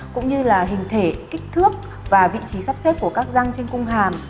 cũng như là hình thể kích thước và vị trí sắp xếp của các răng trên cung hàm